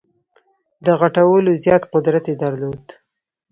د غټولو زیات قدرت یې درلود.